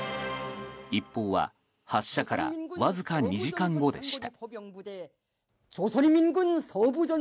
一報は、発射からわずか２時間後でした。